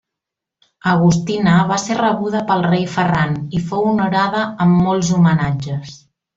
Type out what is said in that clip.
Agustina va ser rebuda pel rei Ferran i fou honorada amb molts homenatges.